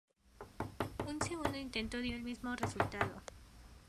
Un segundo intento dio el mismo resultado.